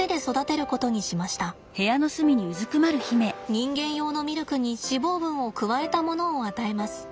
人間用のミルクに脂肪分を加えたものを与えます。